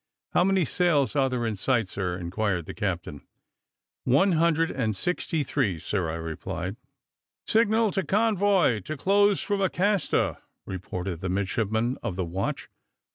"How many sails are there in sight, sir?" inquired the captain. "One hundred and sixty three, sir," replied I. "Signal to convoy to close from the Acasta," reported the midshipman of the watch.